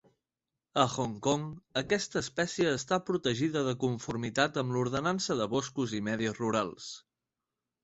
A Hong Kong, aquesta espècie està protegida de conformitat amb l'Ordenança de boscos i medis rurals.